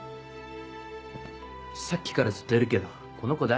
さっきからずっといるけどこの子誰？